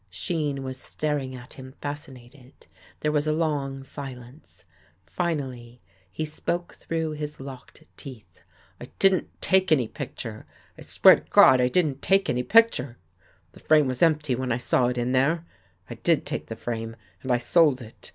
Shean was staring at him fascinated. There was a long silence. Finally, he spoke through his locked teeth. " I didn't take any picture. I swear to God I didn't take any picture. The frame was empty when I saw it there. I did take the frame and I sold it.